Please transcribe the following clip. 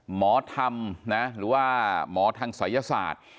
หมอธรรมนะหรือว่าหมอทางศัยศาสตร์